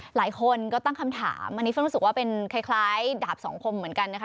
หลายคนก็ตั้งคำถามอันนี้เพิ่งรู้สึกว่าเป็นคล้ายดาบสองคมเหมือนกันนะคะ